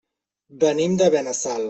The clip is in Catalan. Venim de Benassal.